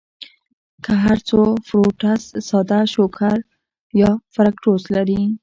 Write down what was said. کۀ هر څو فروټس ساده شوګر يا فرکټوز لري